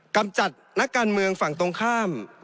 กำจัดนักการเมืองฝั่งตรงข้าม